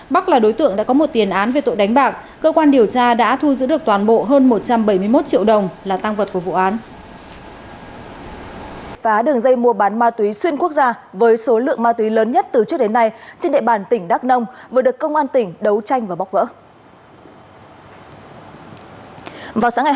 bắc là đối tượng đã có một tiền án về tội đánh bạc cơ quan điều tra đã thu giữ được toàn bộ hơn một trăm bảy mươi một triệu đồng là tăng vật của vụ án